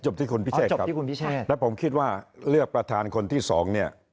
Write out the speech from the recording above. ที่คุณพิเศษครับแล้วผมคิดว่าเลือกประธานคนที่สองเนี่ย